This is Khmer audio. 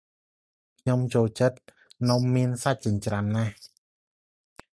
ខ្ញុំចូលចិត្តនំមានសាច់ចិញ្ច្រាំណាស់ ។